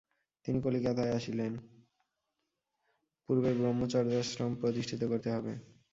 পূর্বের ব্রহ্মচর্যাশ্রম প্রতিষ্ঠিত করতে হবে।